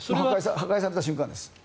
破壊された瞬間です。